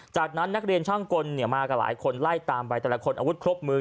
จากนั้นนักเรียนช่างกลมากับหลายคนไล่ตามไปแต่ละคนอาวุธครบมือ